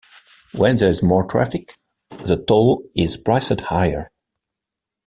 When there is more traffic, the toll is priced higher.